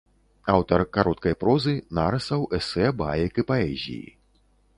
Аўтар кароткай прозы, нарысаў, эсэ, баек і паэзіі.